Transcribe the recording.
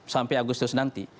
sampai agustus nanti